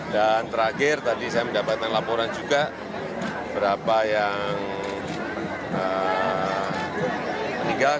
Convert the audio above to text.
dan terakhir tadi saya mendapatkan laporan juga berapa yang meninggalkan